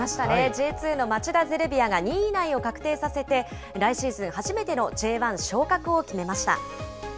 Ｊ２の町田ゼルビアが、２位以内を確定させて、来シーズン、初めてのＪ１昇格を決めました。